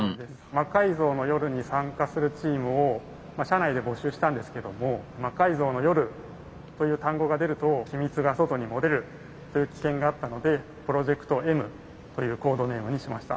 「魔改造の夜」に参加するチームを社内で募集したんですけども「魔改造の夜」という単語が出ると機密が外に漏れるという危険があったので「プロジェクトＭ」というコードネームにしました。